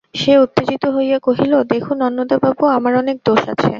সে উত্তেজিত হইয়া কহিল, দেখুন অন্নদাবাবু, আমার অনেক দোষ আছে।